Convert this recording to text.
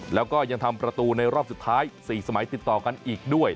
แล้วก็ยังทำประตูในรอบสุดท้าย๔สมัยติดต่อกันอีกด้วย